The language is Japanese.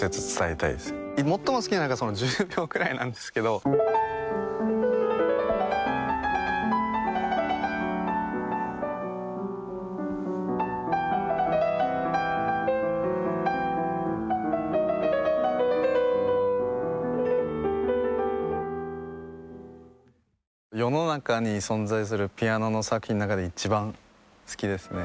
最も好きなのがその１０秒ぐらいなんですけど世の中に存在するピアノの作品の中で一番好きですね